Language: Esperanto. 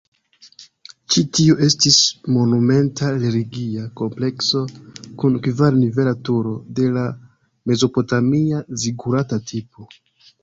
Ĉi tio estis monumenta religia komplekso kun kvar-nivela turo de la mezopotamia zigurata tipo.